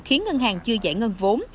khiến ngân hàng chưa giải ngân vốn